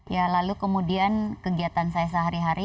ya lalu kemudian kegiatan saya sehari hari